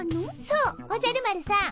そうおじゃる丸さん。